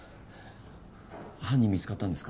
犯人見つかったんですか？